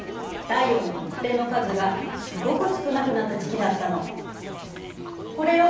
太陽の黒点の数がすごく少なくなった時期だったの。